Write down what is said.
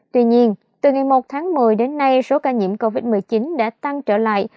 tuy nhiên từ ngày một tháng một mươi đến nay số ca nhiễm covid một mươi chín đã tăng trở lại